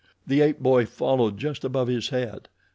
The ape boy followed just above his head.